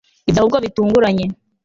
ibyo ahubwo bitunguranye